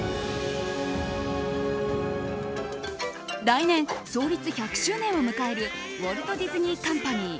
来年、創立１００周年を迎えるウォルト・ディズニー・カンパニー。